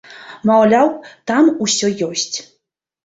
Маўляў, там усё ёсць.